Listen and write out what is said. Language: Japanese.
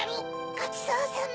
ごちそうさま！